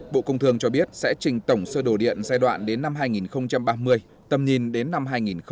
bộ công thương cho biết sẽ trình tổng sơ đồ điện giai đoạn đến năm hai nghìn ba mươi tầm nhìn đến năm hai nghìn bốn mươi năm